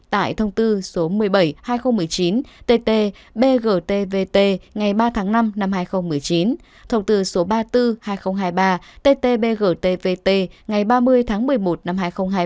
tại thông tư số một mươi bảy hai nghìn một mươi chín tt bgtvt ngày ba tháng năm năm hai nghìn một mươi chín thông tư số ba mươi bốn hai nghìn hai mươi ba ttbgtvt ngày ba mươi tháng một mươi một năm hai nghìn hai mươi